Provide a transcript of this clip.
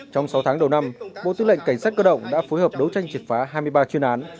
trong sáu tháng đầu năm bộ tư lệnh cảnh sát cơ động đã phối hợp đấu tranh triệt phá hai mươi ba chuyên án